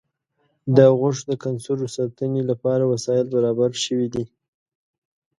د غوښو د کنسرو ساتنې لپاره وسایل برابر شوي دي.